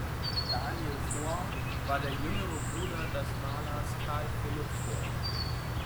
Daniel Fohr war der jüngere Bruder des Malers Carl Philipp Fohr.